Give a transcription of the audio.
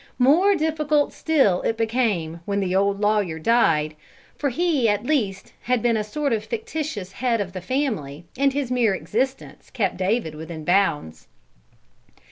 More difficult still it became when the old lawyer died, for he at least had been a sort of fictitious head of the family and his mere existence kept David within bounds.